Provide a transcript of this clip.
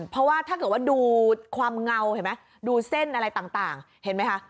เพราะว่าถ้าเกิดว่าดูความเงาเห็นไหมดูเส้นอะไรต่างเห็นไหมคะ